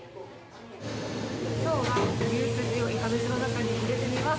きょうは牛すじをいかめしの中に入れてみます。